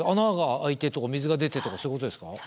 穴が開いてとか水が出てとかそういうことですか？